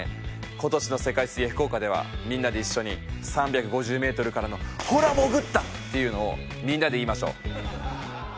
今年の世界水泳福岡ではみんなで一緒に３５０メートルからの「ほら潜った！」っていうのをみんなで言いましょう。